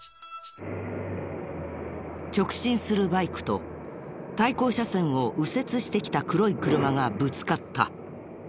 直進するバイクと対向車線を右折してきた黒い車がぶつかった。